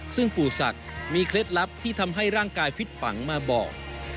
ซึ่งปู่ศักดิ์มีเคล็ดลับที่ทำให้ร่างกายฟิตปังมาบอก